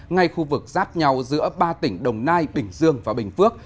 ngay khu vực giáp nhau giữa ba tỉnh đồng nai bình dương và bình phước